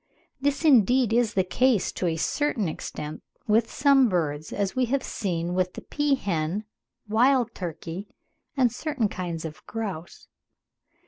This indeed is the case to a certain extent with some birds, as we have seen with the peahen, wild turkey, and certain kinds of grouse.